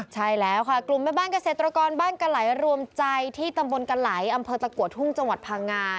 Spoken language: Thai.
ใช่แล้วค่ะกลุ่มแม่บ้านเกษตรกรบ้านกะไหลรวมใจที่ตำบลกะไหลอำเภอตะกัวทุ่งจังหวัดพังงา